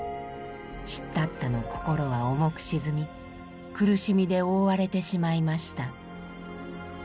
シッダッタの心は重く沈み苦しみで覆われてしまいました。